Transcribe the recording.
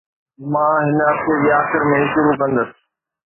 مان هن هفتي جي آخر ۾ شروع ڪندس.